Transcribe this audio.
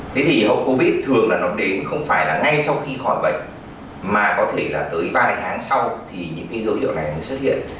thế thì hậu covid thường là nó đến không phải là ngay sau khi khỏi bệnh mà có thể là tới vài tháng sau thì những cái dấu hiệu này mới xuất hiện